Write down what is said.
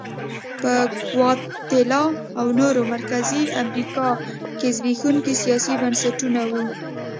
په ګواتیلا او نورو مرکزي امریکا کې زبېښونکي سیاسي بنسټونه وو.